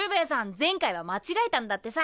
前回は間違えたんだってさ。